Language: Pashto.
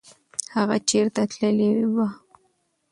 هغه چېرته تللی و؟